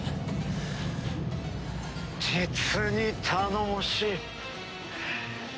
実に頼もしい！